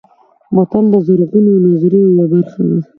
بوتل د زرغونو نظریو یوه برخه ده.